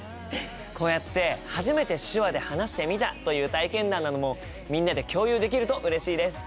こうやって初めて手話で話してみたという体験談などもみんなで共有できるとうれしいです。